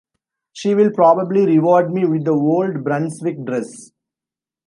She will probably reward me with the old Brunswick dress.